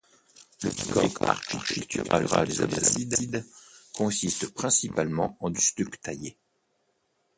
Le décor architectural sous les Abbassides consiste principalement en du stuc taillé.